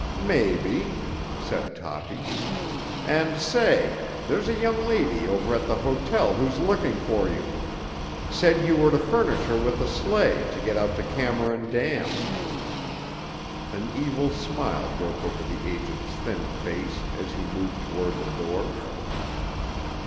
"Maybe," said Toppy. "And, say—there's a young lady over at the hotel who's looking for you. Said you were to furnish her with a sleigh to get out to Cameron Dam." An evil smile broke over the agent's thin face as he moved toward the door.